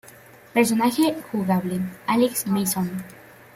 Personaje Jugable: Alex Mason.